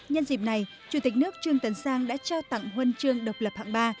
nhân dịp này chủ tịch nước trương tấn sang đã trao tặng huân chương độc lập hạng ba